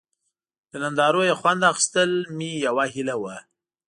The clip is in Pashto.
له نندارو یې خوند اخیستل مې یوه هیله وه.